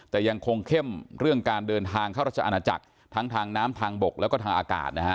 แต่ยังคงเข้มเรื่องการเดินทางเข้ารัชอาณาจักรทั้งทางน้ำทางบกแล้วก็ทางอากาศนะฮะ